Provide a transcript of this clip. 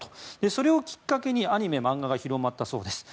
それをきっかけにアニメ・漫画が広がったそうです。